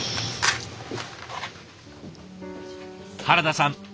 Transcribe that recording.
原田さん